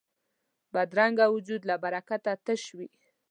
بدرنګه وجود له برکته تش وي